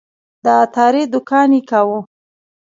د عطاري دوکان یې کاوه.